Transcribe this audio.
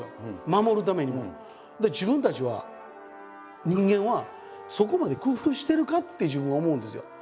自分たちは人間はそこまで工夫してるかって自分は思うんですよ。